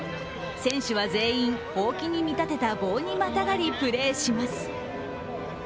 選手は全員、ほうきに見立てた棒にまたがりプレーします。